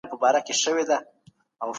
دغه سړی پرون ډېر خوشاله ښکارېدی.